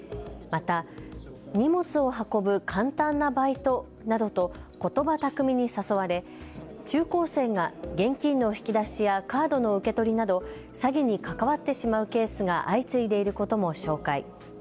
また、荷物を運ぶ簡単なバイトなどとことば巧みに誘われ中高生が現金の引き出しやカードの受け取りなど詐欺に関わってしまうケースが相次いでいることも紹介。